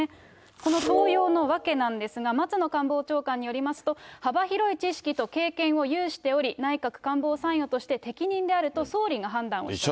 この登用の訳なんですが、松野官房長官によりますと、幅広い知識と経験を有しており、内閣官房参与として、適任であると総理が判断をしたと。